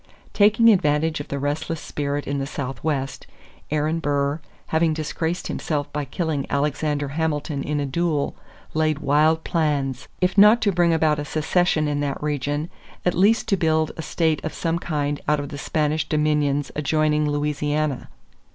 Taking advantage of the restless spirit in the Southwest, Aaron Burr, having disgraced himself by killing Alexander Hamilton in a duel, laid wild plans, if not to bring about a secession in that region, at least to build a state of some kind out of the Spanish dominions adjoining Louisiana.